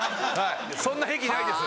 そんな癖ないです。